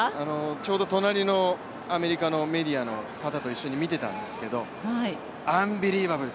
ちょうど隣のアメリカメディアの方と一緒に見ていたんですが、アンビリーバブル！